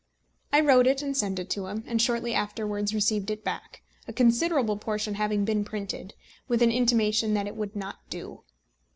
I wrote it and sent it to him, and shortly afterwards received it back a considerable portion having been printed with an intimation that it would not do.